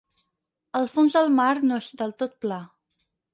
El fons del mar no és del tot pla.